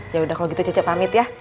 yaudah kalo gitu cice pamit ya